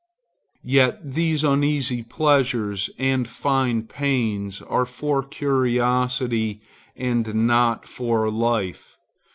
Yet these uneasy pleasures and fine pains are for curiosity and not for life.